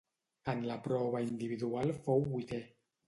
En la prova individual fou vuitè.